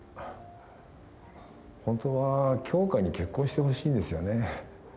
本当は杏花に結婚してほしいんですよね